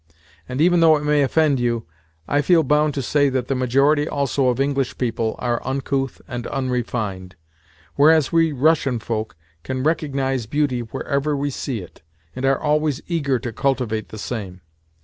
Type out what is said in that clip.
And even though it may offend you, I feel bound to say that the majority also of English people are uncouth and unrefined, whereas we Russian folk can recognise beauty wherever we see it, and are always eager to cultivate the same.